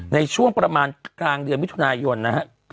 ในช่วงประมาณกลางเดือนมิถุนายนนะครับ